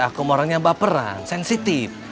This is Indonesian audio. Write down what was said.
aku orangnya baperan sensitif